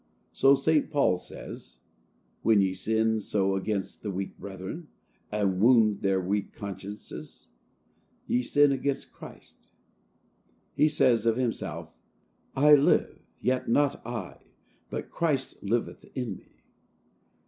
So St. Paul says, "When ye sin so against the weak brethren, and wound their weak consciences, ye sin against Christ." He says of himself, "I live, yet not I, but Christ liveth in me."